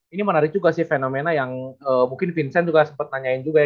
ini menarik juga sih fenomena yang mungkin vincent juga sempat nanyain juga ya